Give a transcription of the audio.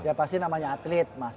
ya pasti namanya atlet mas